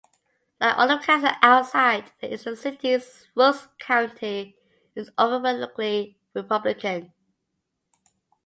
Like all of Kansas outside the eastern cities, Rooks County is overwhelmingly Republican.